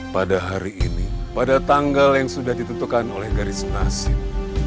pada hari ini pada tanggal yang sudah ditentukan oleh garis nasib